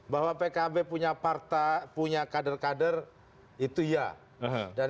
bahwa pkb punya kader kader itu ya